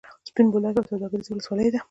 سپین بولدک یوه سوداګریزه ولسوالي ده.